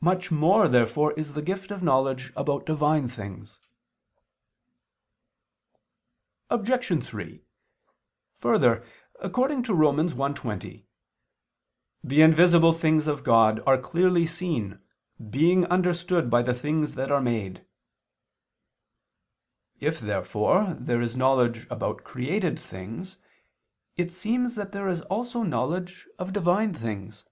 Much more therefore is the gift of knowledge about Divine things. Obj. 3: Further, according to Rom. 1:20, "the invisible things of God ... are clearly seen, being understood by the things that are made." If therefore there is knowledge about created things, it seems that there is also knowledge of Divine things.